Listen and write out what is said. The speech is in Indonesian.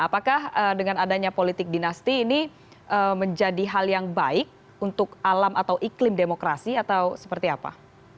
apakah dengan adanya politik dinasti ini menjadi hal yang baik untuk alam atau iklim demokrasi atau seperti apa